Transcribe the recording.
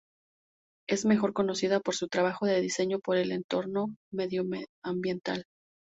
Es mejor conocida por su trabajo de diseño por el entorno medioambiental.